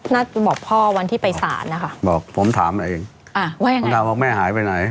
น่าจะบอกพ่อวันที่ไปศาลนะคะบอกผมถามเองอ่าว่ายังไงผมถามว่าแม่หายไปไหน